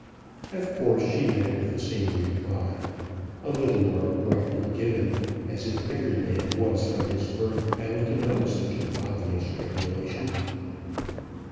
Of course she met with the same reply, a little more abruptly given, as if every man was from his birth bound to know such an obvious regulation.